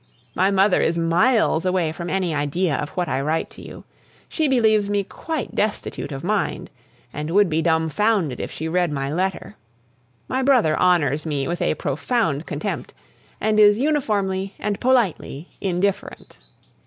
My mother is miles away from any idea of what I write to you. She believes me quite destitute of mind, and would be dumfounded if she read my letter. My brother honors me with a profound contempt, and is uniformly and politely indifferent.